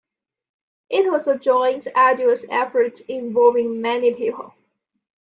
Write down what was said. It was a joint, arduous effort involving many people.